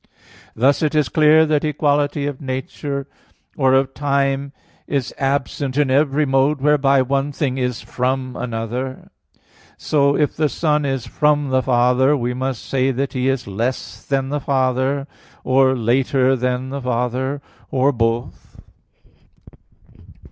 Thus it is clear that equality of nature or of time is absent in every mode whereby one thing is from another. So if the Son is from the Father, we must say that He is less than the Father, or later than the Father, or both.